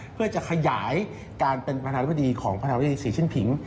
เพื่อจะขยายการเป็นประธานาธุรกิจของประธานาธุรกิจสี่ชิ้นผิง